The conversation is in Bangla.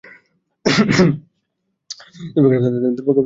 দুর্ভাগ্যবশত, তাঁদের কোন সন্তান হয়নি।